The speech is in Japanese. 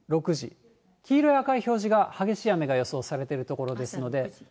黄色や赤い表示が激しい雨が予想されている所ですので。